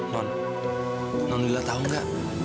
non non lila tau gak